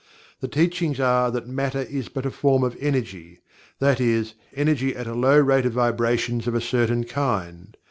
The Teachings are that Matter is but a form of Energy .that is, Energy at a low rate of vibrations of a certain kind.